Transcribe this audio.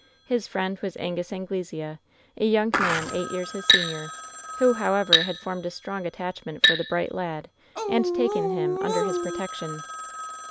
His friend was Angus Anglesea, a young man eight years his senior, who, however, had formed a strong attachment for the bright lad, and taken him imder his protection.